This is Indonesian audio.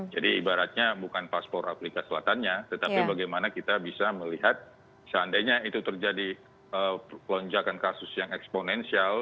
jadi ibaratnya bukan paspor afrika selatannya tetapi bagaimana kita bisa melihat seandainya itu terjadi lonjakan kasus yang eksponensial